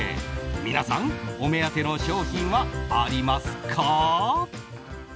皆さんお目当ての商品はありますか？